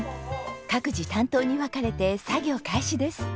各自担当に分かれて作業開始です。